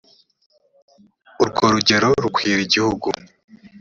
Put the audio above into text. urwo rugero rukwira igihugu